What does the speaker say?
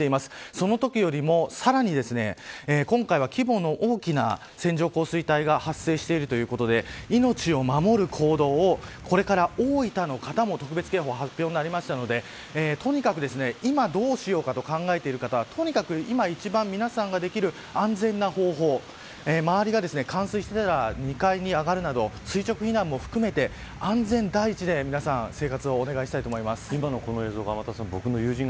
そのときよりも、さらに今回は規模の大きな線状降水帯が発生しているということで命を守る行動をこれから大分の方も特別警報が発表になったのでとにかく、今どうしようかと考えている方はとにかく、今、一番皆さんができる安全な方法周りが冠水していたら２階に上がるなど垂直避難も含めて安全第一で皆さん生活をお願いしたいと思います。